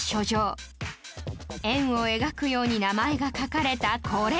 円を描くように名前が書かれたこれ